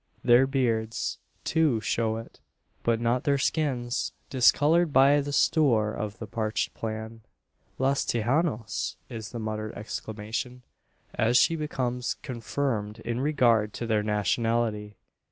Their beards, too, show it; but not their skins, discoloured by the "stoor" of the parched plain. "Los Tejanos!" is the muttered exclamation, as she becomes confirmed in regard to their nationality.